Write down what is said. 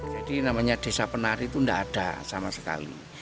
jadi namanya desa penari itu tidak ada sama sekali